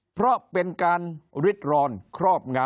เพราะเป็นการริดรอนครอบงา